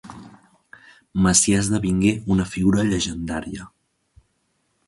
Macià esdevingué una figura llegendària.